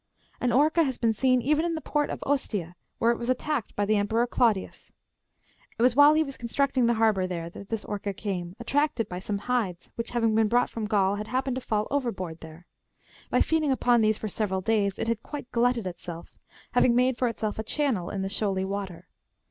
An orca has been seen even in the port of Ostia, where it was attacked by the Emperor Claudius. It was while he was constructing the harbour ^^ there that this orca came, attracted by some hides which, having been brought from Gaul, had happened to fall overboard ^^ there. By feeding upon these for several days it had quite glutted itself, having made for itself a channel in the shoaly water.